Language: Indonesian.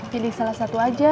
pilih salah satu aja